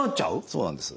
そうなんです。